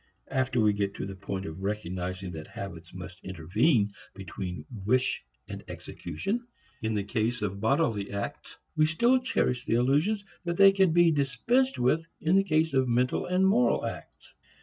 After we get to the point of recognizing that habits must intervene between wish and execution in the case of bodily acts, we still cherish the illusions that they can be dispensed with in the case of mental and moral acts.